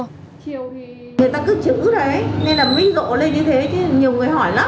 người ta cứ chữ đấy nên là vinh rộ lên như thế chứ nhiều người hỏi lắm